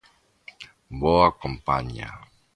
Boa compaña.